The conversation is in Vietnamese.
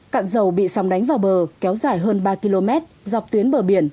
cạn dầu bị sóng đánh vào bờ kéo dài hơn ba km dọc tuyến bờ biển